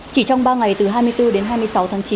chỉ trong ba ngày từ hai mươi bốn đến hai mươi sáu tháng chín